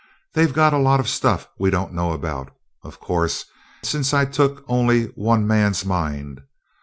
They've got a lot of stuff we don't know about, of course, since I took only one man's mind.